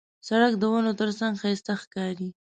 سړک د ونو ترڅنګ ښایسته ښکاري.